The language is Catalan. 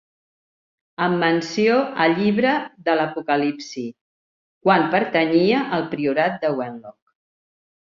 Amb menció a llibre de l'Apocalipsi, quan pertanyia al priorat de Wenlock.